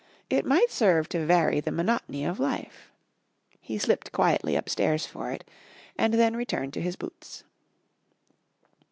It might serve to vary the monotony of life. He slipped quietly upstairs for it, and then returned to his boots.